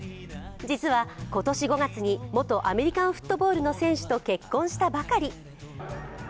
実は今年５月に元アメリカンフットボールの選手と結婚したばかり。